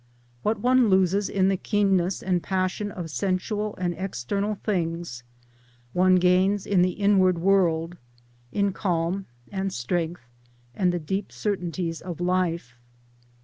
/:' What one loses in the keenness and passion of sensual and external things one gains in the inward world in calm and strength and the deep certainties of life.